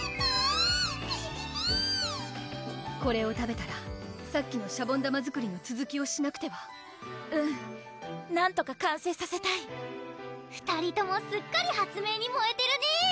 ピピーピピピーこれを食べたらさっきのシャボン玉作りのつづきをしなくてはうんなんとか完成させたい２人ともすっかり発明にもえてるね